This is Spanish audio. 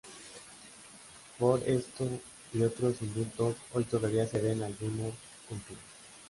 Por esto y otros indultos hoy todavía se ven algunos en pie.